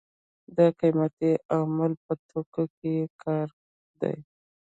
د قیمتۍ عامل په توکو کې کار دی.